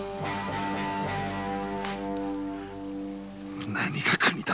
何が国だ。